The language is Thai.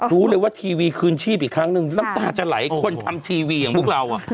รู้เลยว่าทีวีคืนชีพอีกครั้งหนึ่งน้ำตาจะไหลคนทำทีวีอย่างพวกเรา